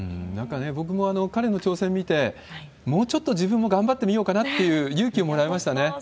なんか僕も、彼の挑戦見て、もうちょっと自分も頑張ってみようかなっていう勇気をもらえましたね。